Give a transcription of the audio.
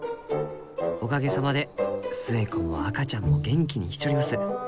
おかげさまで寿恵子も赤ちゃんも元気にしちょります。